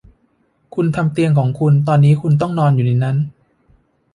คุณทำเตียงของคุณตอนนี้คุณต้องนอนอยู่ในนั้น